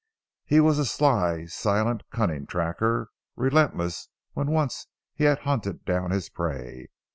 He was a sly, silent, cunning tracker, relentless when once he had hunted down his prey.